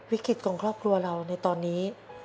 วิกฤตของครอบครัวเราในตอนนี้